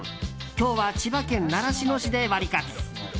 今日は千葉県習志野市でワリカツ。